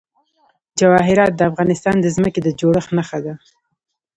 جواهرات د افغانستان د ځمکې د جوړښت نښه ده.